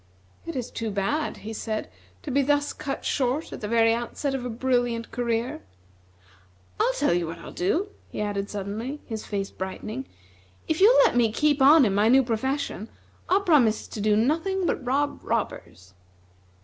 "It is too bad," he said, "to be thus cut short at the very outset of a brilliant career. I'll tell you what I'll do," he added suddenly, his face brightening, "if you'll let me keep on in my new profession, I'll promise to do nothing but rob robbers."